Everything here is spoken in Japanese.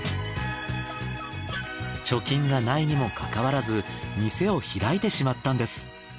貯金がないにもかかわらず店を開いてしまったんです。